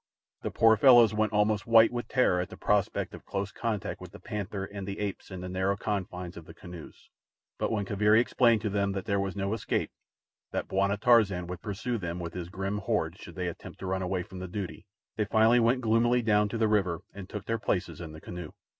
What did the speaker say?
The poor fellows went almost white with terror at the prospect of close contact with the panther and the apes in the narrow confines of the canoes; but when Kaviri explained to them that there was no escape—that Bwana Tarzan would pursue them with his grim horde should they attempt to run away from the duty—they finally went gloomily down to the river and took their places in the canoe.